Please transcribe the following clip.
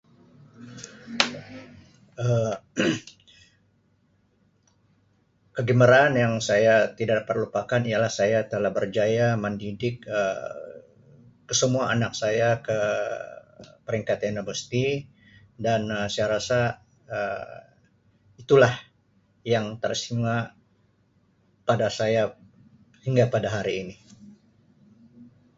Um Kegembiraan yang saya tidak perlu pamerkan ialah saya telah berjaya mendidik Um kesemua anak saya ke peringkat universiti dan Um saya rasa Um itulah yang tersinga pada saya hingga pada hari ini.